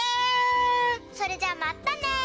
それじゃあまったね！